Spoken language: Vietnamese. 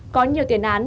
có nhiều tiền án